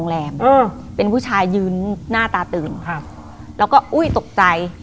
เป็นผู้ชายยืนหน้าตาตื่นครับแล้วก็อุ้ยตกใจ